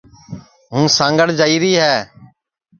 ہوں سانٚگھڑ جائیری ہے